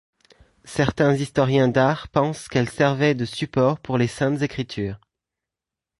Certains historiens d’art pensent qu’elle servait de support pour les saintes écritures.